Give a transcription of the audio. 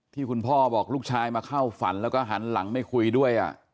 คุณพ่อบอกลูกชายมาเข้าฝันแล้วก็หันหลังไม่คุยด้วย